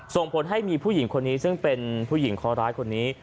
ส่งผลให้มีผู้หญิงคนนี้ซึ่งเป็นผู้หญิงคอร้ายคนนี้